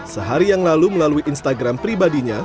sehari yang lalu melalui instagram pribadinya